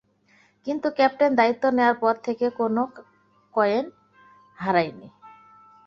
কিন্তু ক্যাপ্টেন দায়িত্ব নেয়ার পর থেকে কোনো কয়েন হারায়নি।